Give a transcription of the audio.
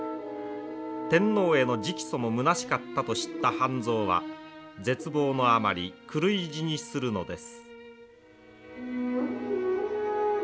天皇への直訴もむなしかったと知った半蔵は絶望のあまり狂い死にするのです。